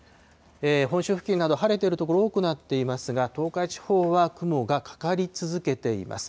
本州付近など、晴れている所多くなっていますが、東海地方は雲がかかり続けています。